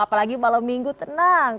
apalagi malam minggu tenang